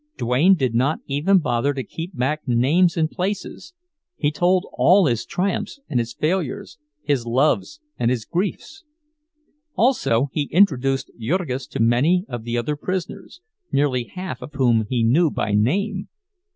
Duane did not even bother to keep back names and places—he told all his triumphs and his failures, his loves and his griefs. Also he introduced Jurgis to many of the other prisoners, nearly half of whom he knew by name.